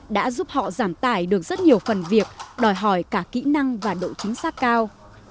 đã giúp họ giảm tải được rất nhiều phần việc đòi hỏi cả kỹ năng và độ chính xác cao